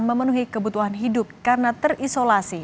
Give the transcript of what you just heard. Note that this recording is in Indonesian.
memenuhi kebutuhan hidup karena terisolasi